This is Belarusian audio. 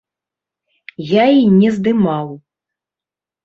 Я і не здымаў.